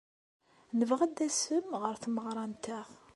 Nebɣa ad d-tasem ɣer tmeɣra-nteɣ.